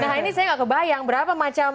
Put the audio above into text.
nah ini saya nggak kebayang berapa macam